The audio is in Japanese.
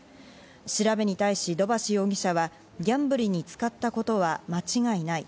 調べに対し土橋容疑者は、ギャンブルに使ったことは間違いない。